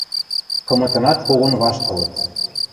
Кымытынат когон ваштылыт.